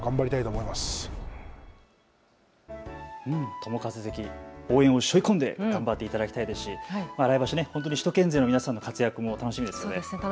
友風関、応援をしょいこんで頑張っていただきたいですし来場所、首都圏勢の活躍も楽しみですね。